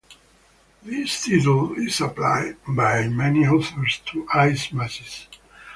This title is applied by many authors to ice masses.